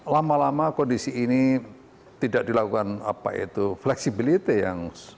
lama lama kondisi ini tidak dilakukan apa itu fleksibilitas yang